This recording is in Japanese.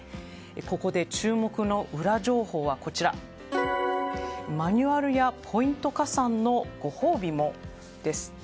ここで注目のウラ情報はマニュアルやポイント加算のご褒美もです。